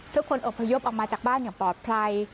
ทุกคนอบพยพออกมาจากบ้านอย่างปลอดภัย